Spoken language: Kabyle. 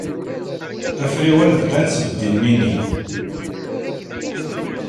Afriwen bdan ttbeddilen ini.